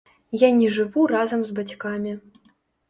Я не жыву разам з бацькамі.